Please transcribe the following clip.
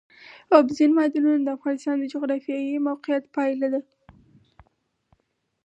اوبزین معدنونه د افغانستان د جغرافیایي موقیعت پایله ده.